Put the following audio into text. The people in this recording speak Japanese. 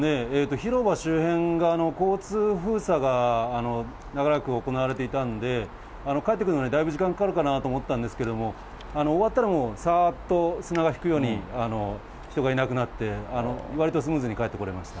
広場周辺の交通封鎖が長らく行われていたんで、帰ってくるのにだいぶ、時間かかるかなと思ったんですが、終わったらもう、さーっと砂が引くように、人がいなくなって、わりとスムーズに帰ってこれました。